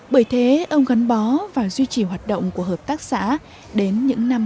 bởi thế ông gắn bó vào duy trì hoạt động của hợp tác xã đến những năm hai nghìn